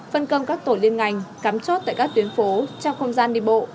phân công các tổ liên ngành cắm chốt tại các tuyến phố trong không gian đi bộ